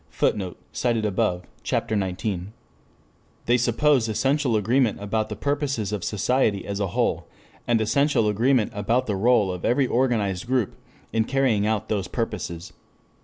[Footnote: Cf. op. cit., Ch. XIX.] They suppose essential agreement about the purposes of society as a whole, and essential agreement about the role of every organized group in carrying out those purposes.